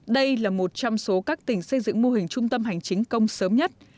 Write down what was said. đây là một trong số các tỉnh xây dựng mô hình trung tâm hành chính công sớm nhất